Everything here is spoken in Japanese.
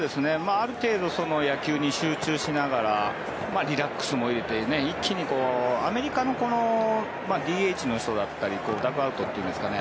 ある程度野球に集中しながらリラックスも入れて、一気にアメリカのＤＨの人だったりダッグアウトというんですかね